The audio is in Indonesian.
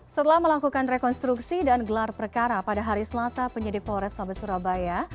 setelah melakukan rekonstruksi dan gelar perkara pada hari selasa penyidik polrestabes surabaya